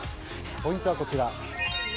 ポイントはこちら。